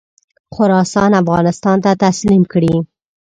خراسان افغانستان ته تسلیم کړي.